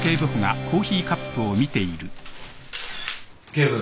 警部。